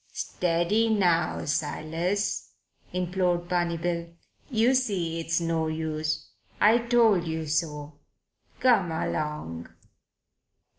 "Steady now, Silas," implored Barney Bill. "You see it's no use. I told you so. Come along."